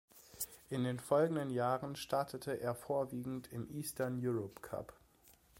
In den folgenden Jahren startete er vorwiegend im Eastern Europe Cup.